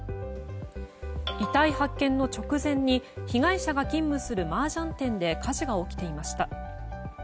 遺体発見の直前に被害者が勤務するマージャン店で火事が起きていました。